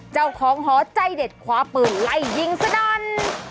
เจ้าของหอใจเด็ดคว้าเปิดไล่ยิงสะดอน